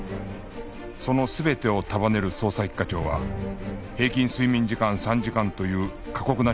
その全てを束ねる捜査一課長は平均睡眠時間３時間という過酷な仕事だ